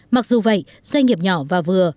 mặc dù vậy doanh nghiệp nhỏ và vừa